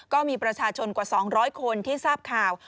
ก็มีประชาชนกว่า๒๐๐คนที่ทราบข่าว